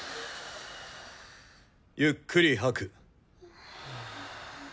ゆっくり吐く。